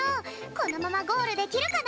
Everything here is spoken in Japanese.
このままゴールできるかな？